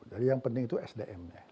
jadi yang penting itu sdm nya